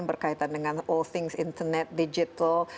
berkaitan dengan all things internet digital